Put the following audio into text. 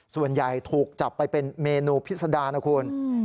ส่วนใหญ่ถูกจับไปเป็นเมนูพิษดานะคุณ